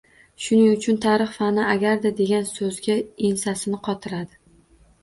Shuning uchun tarix fani “agarda“ degan soʻzga ensasini qotiradi.